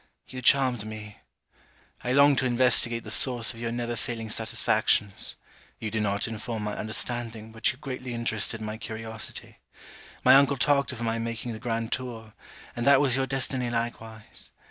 You charmed me. I longed to investigate the source of your never failing satisfactions. You did not inform my understanding, but you greatly interested my curiosity. My uncle talked of my making the grand tour; and that was your destiny likewise.